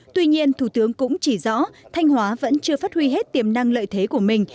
tuy nhiên thủ tướng cũng chỉ rõ thanh hóa vẫn chưa phát huy hết tiềm năng lợi thế của mình